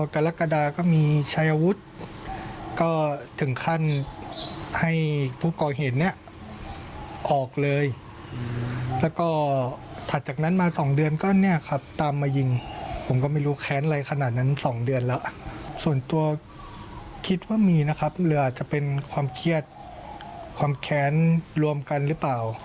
คิดว่ามีนะครับหรืออาจจะเป็นความเครียดความแข็งรวมกันหรือเปล่า